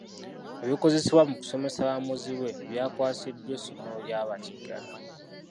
Ebikozesebwa mu kusomesa bamuzibe byakwasiddwa essomero lya bakiggala.